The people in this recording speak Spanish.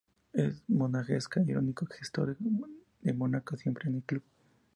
Es monegasca y el único gestor de Mónaco siempre en el club.